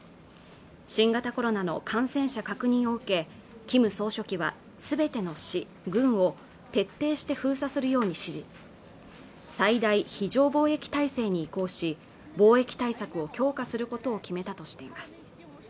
新型コロナの感染者確認を受けキム総書記はすべての市・郡を徹底して封鎖するように指示最大非常防疫体系に移行し防疫対策を強化することを決めたとしています